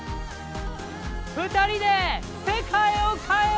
二人で世界を変えよう！